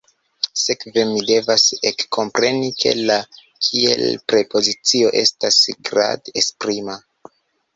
Sekve mi devas ekkompreni ke la kiel-prepozicio estas grad-esprima.